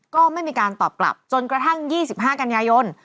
ก็ไม่มีการตอบกลับจนกระทั่ง๒๕กันยายน